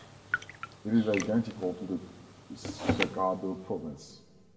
It is identical to the Cercado Province.